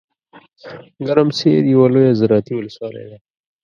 ګرمسیر یوه لویه زراعتي ولسوالۍ ده .